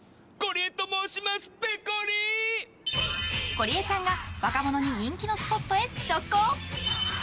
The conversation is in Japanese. ゴリエちゃんが若者に人気のスポットへ直行。